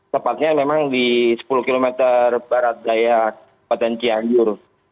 tepatnya memang di sepuluh km barat daya batan cianjur